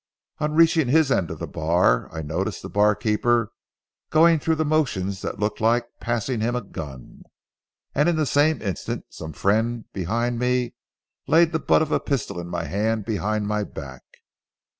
On reaching his end of the bar, I noticed the barkeeper going through motions that looked like passing him a gun, and in the same instant some friend behind me laid the butt of a pistol in my hand behind my back.